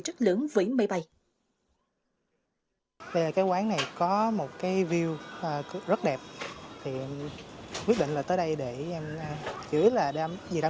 rất lớn với máy bay quán này có một cái view rất đẹp thì quyết định là tới đây để giữ là vì đam